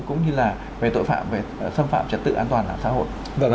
cũng như là về tội phạm xâm phạm trật tự an toàn ở xã hội